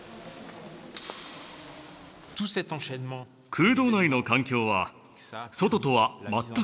空洞内の環境は外とは全く異なります。